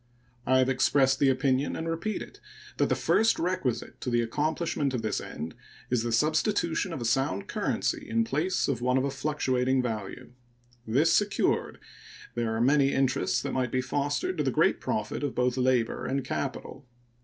I have expressed the opinion, and repeat it, that the first requisite to the accomplishment of this end is the substitution of a sound currency in place of one of a fluctuating value. This secured, there are many interests that might be fostered to the great profit of both labor and capital.